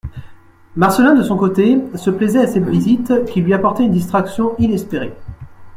Marcelin, de son côté, se plaisait à ces visites, qui lui apportaient une distraction inespérée.